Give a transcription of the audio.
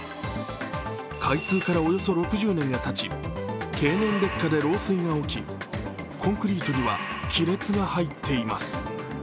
開通からおよそ６０年がたち経年劣化で漏水が起きコンクリートには亀裂が入っています。